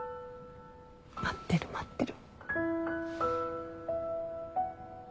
待ってる待ってる。